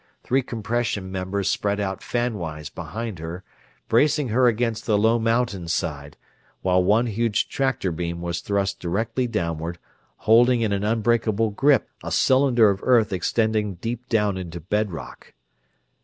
Three compression members spread out fanwise behind her, bracing her against the low mountainside, while one huge tractor beam was thrust directly downward, holding in an unbreakable grip a cylinder of earth extending deep down into bedrock.